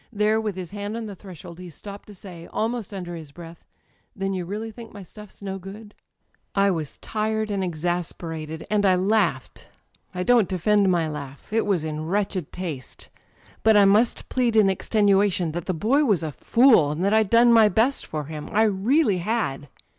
There, with his hand on the thresh old, he stopped to say, almost under his breath: *Then you really think my stuff's no good ?' '^I was tired and exasperated, and I laughed. I don't defend my laugh â€" it was in wretched taste. But I must plead in extenuation that the boy was a fool, and that I'd done my best for him â€" I really had.